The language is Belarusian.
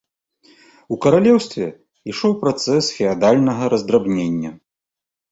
У каралеўстве ішоў працэс феадальнага раздрабнення.